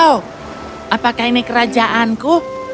oh apakah ini kerajaanku